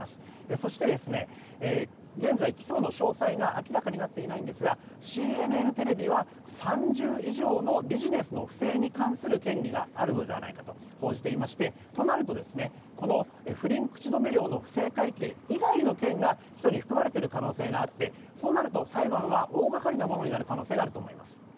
そして現在、起訴の詳細が明らかになっていないんですがＣＮＮテレビは３０以上のビジネスの不正に関する嫌疑があるのではないかと報じていましてとなると不倫口止め料の不正会計以外の件が起訴に含まれている可能性がありそうなると裁判は大掛かりなものになる可能性があると思います。